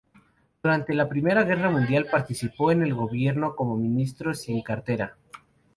Durante la I Guerra Mundial participó en el gobierno como ministro sin cartera.